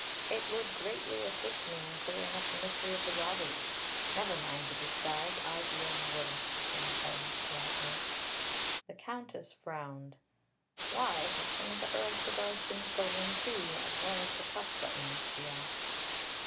It would greatly assist me in clearing up the mystery of the robbery. Never mind the disguise. I've worn worse," returned Holmes politely. The Countess frowned. "Why, have some of the Earl's cigars been stolen, too, as well as the cuff buttons?" she asked.